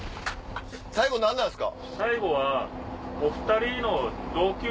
最後何なんすか？